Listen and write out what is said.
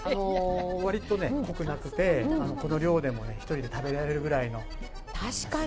わりとね、濃くなくて、この量でも１人で食べられるぐらいの。